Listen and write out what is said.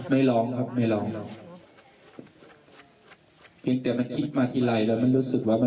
แม่ลองครับแม่ลองติดเตอะมันคิดมาทีไลน์แต่มันรู้สึกว่ามัน